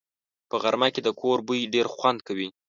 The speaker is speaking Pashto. په غرمه کې د کور بوی ډېر خوند کوي